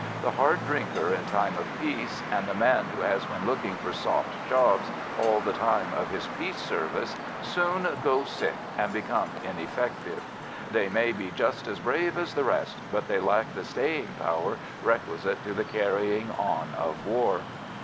The hard drinker in time of peace and the man who has been looking for "soft jobs" all the time of his peace service soon "go sick" and become ineffective; they may be just as brave as the rest, but they lack the staying power requisite to the carrying on of war.